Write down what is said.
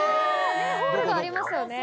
ホールがありますよね。